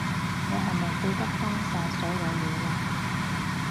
你係咪記得返晒所有嘢喇？